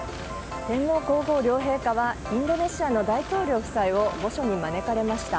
天皇・皇后両陛下はインドネシアの大統領夫妻を御所に招かれました。